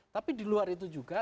tapi di luar itu juga